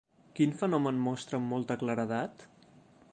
Quin fenomen mostra amb molta claredat?